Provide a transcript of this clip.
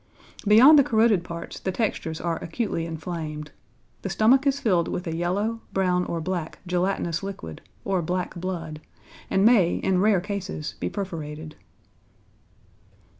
Beyond the corroded parts the textures are acutely inflamed. The stomach is filled with a yellow, brown, or black gelatinous liquid or black blood, and may in rare cases be perforated.